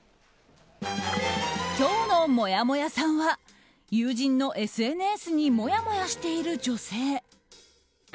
今日のもやもやさんは友人のＳＮＳにもやもやしている女性。